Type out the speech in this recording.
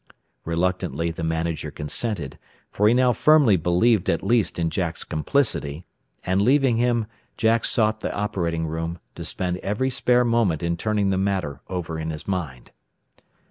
Reluctantly the manager consented, for he now firmly believed at least in Jack's complicity; and leaving him, Jack sought the operating room, to spend every spare moment in turning the matter over in his mind.